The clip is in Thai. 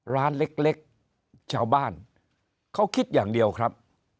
ร้านเล็กชาวบ้านเขาคิดอย่างเดียวครับ